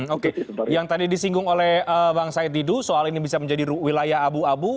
oke yang tadi disinggung oleh bang said didu soal ini bisa menjadi wilayah abu abu